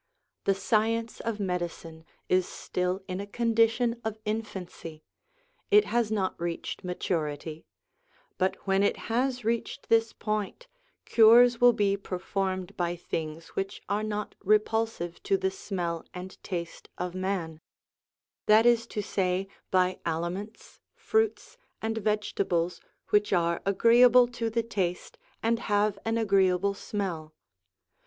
The science of medicine is still in a condition of infancy; it has not reached maturity; but when it has reached this point, cures will be performed by things which are not repulsive to the smell and taste of man; that is to say by aliments, fruits, and vegetables which are agreeable to the taste and have an agreeable smell.